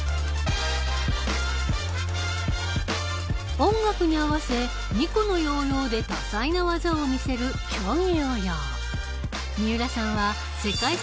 音楽に合わせ２個のヨーヨーで多彩な技を見せる競技